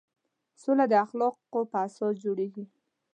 سوله د اخلاقو په اساس جوړېږي.